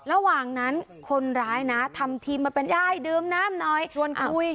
ระหว่างนั้นคนร้ายนะทำทีมาเป็นอ้ายดื่มน้ำหน่อยชวนคุย